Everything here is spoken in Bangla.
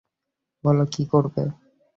বলো কী করবে?